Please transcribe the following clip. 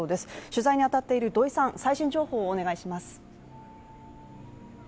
取材に当たっている土居さん、最新情報をお願いします。